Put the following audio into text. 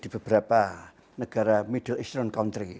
di beberapa negara middle eastront country